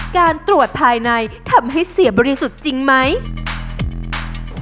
การตรวจภายในทำให้เสียบริสุทธิ์จริงไหม